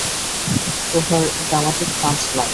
Over dramatic punch line!